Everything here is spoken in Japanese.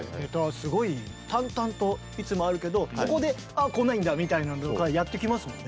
すごい淡々といつもあるけどここであこないんだみたいなのとかやってきますもんね。